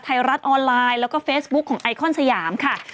ไทยรัฐออนไลน์แล้วก็เฟซบุ๊คของไอคอนสยามค่ะ